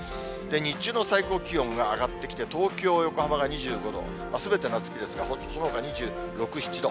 日中の最高気温が上がってきて、東京、横浜が２５度、すべて夏日ですが、そのほか２６、７度。